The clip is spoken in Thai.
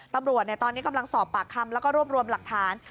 ตำรวจตอนนี้กำลังสอบปากคำแล้วก็รวบรวมหลักฐาน